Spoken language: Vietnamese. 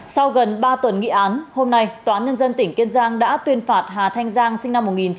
sau gần ba tuần nghị án hôm nay tòa án nhân dân tỉnh kiên giang đã tuyên phạt hà thanh giang sinh năm một nghìn chín trăm tám mươi